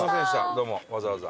どうもわざわざ。